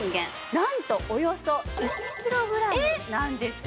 なんとおよそ１キログラムなんですよ。